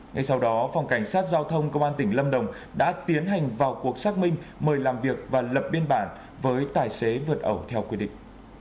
ngay sau đó phòng cảnh sát giao thông công an tỉnh lâm đồng đã tiến hành vào cuộc xác minh mời làm việc và lập biên bản với tài xế vượt ẩu theo quy định